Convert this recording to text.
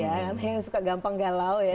karena yang suka gampang galau ya